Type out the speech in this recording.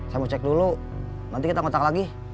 saya mau cek dulu nanti kita kotak lagi